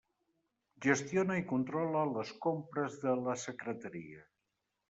Gestiona i controla les compres de la secretaria.